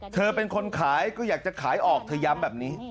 เธอเป็นคนขายก็อยากจะขายออกเธอย้ำแบบนี้